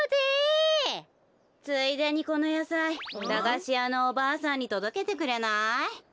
ついでにこのやさい駄菓子屋のおばあさんにとどけてくれない？